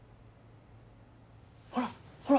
ほらほら。